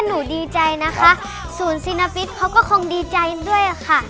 หนูดีใจนะคะศูนย์ซีนาฟิศเขาก็คงดีใจด้วยค่ะ